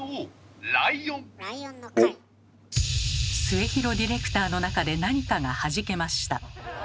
末廣ディレクターの中で何かがはじけました。